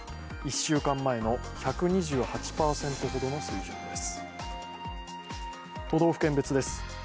１週間前の１２８％ほどの水準です。